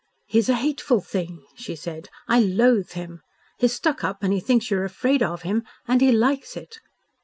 "He's a hateful thing," she said, "I loathe him. He's stuck up and he thinks you are afraid of him and he likes it."